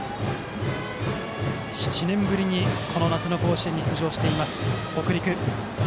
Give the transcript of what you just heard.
７年ぶりに夏の甲子園に出場している北陸。